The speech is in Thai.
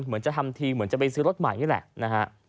เหมือนจะทำทีเหมือนจะไปซื้อรถใหม่นี่แหละนะฮะ